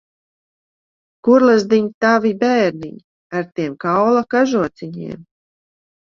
Kur, lazdiņ, tavi bērniņi, ar tiem kaula kažociņiem?